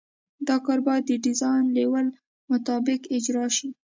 دا کار باید د ډیزاین لیول مطابق اجرا شي